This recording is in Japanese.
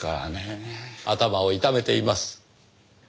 頭を痛めています。